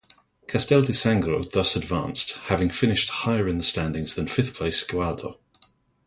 Castel di Sangro thus advanced, having finished higher in the standings than fifth-place Gualdo.